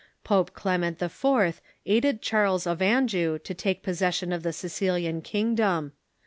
Pope Clement IV. aided Charles of Anjou to take possession of the Sicilian kingdom.